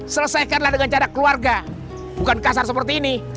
selesaikanlah dengan cara keluarga bukan kasar seperti ini